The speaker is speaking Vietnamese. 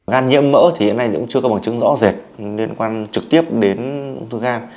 gan nhiễm mỡ thì hiện nay cũng chưa có bằng chứng rõ rệt liên quan trực tiếp đến ung thư gan